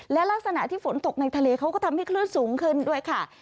และลักษณะที่ฝนตกในทะเลเขาก็ทำให้คลื่นสูงขึ้นด้วยค่ะ